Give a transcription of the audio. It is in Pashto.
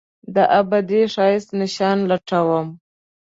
دابدي ښایست نشان لټوم